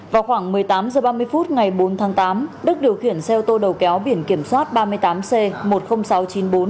vào khoảng một mươi tám h ba mươi phút ngày bốn tháng tám đức điều khiển xe ô tô đầu kéo biển kiểm soát ba mươi tám c một mươi nghìn sáu trăm chín mươi bốn